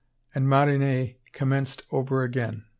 And Marinet commenced over again.